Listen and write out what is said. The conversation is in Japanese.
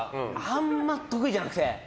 あんま得意じゃなくて。